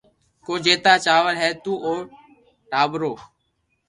ڪو جيتا چاور ھي تو او ٽاٻرو